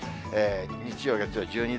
日曜、月曜１２度。